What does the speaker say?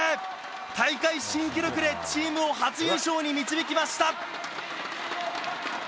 大会新記録でチームを初優勝に導きました！